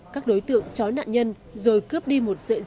các đối tượng chói nạn nhân rồi cướp đi một dễ dàng